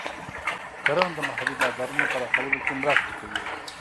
کرنه د محلي بازارونو پراخولو کې مرسته کوي.